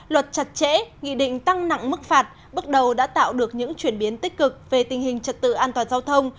luật chặt chẽ nghị định tăng nặng mức phạt bước đầu đã tạo được những chuyển biến tích cực về tình hình trật tự an toàn giao thông